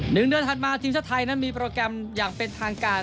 หนึ่งเดือนถัดมาทีมชาติไทยนั้นมีโปรแกรมอย่างเป็นทางการ